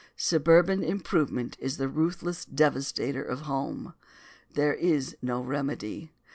Suburban improvement is the ruthless devastator of home. There is no remedy.